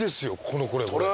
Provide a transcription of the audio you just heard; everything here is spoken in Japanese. このこれ。